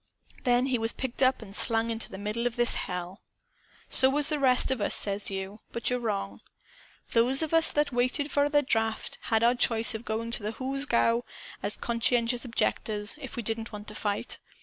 Then he was picked up and slung into the middle of this hell. "So was the rest of us, says you. But you're wrong. Those of us that waited for the draft had our choice of going to the hoosgow, as 'conscientious objectors,' if we didn't want to fight.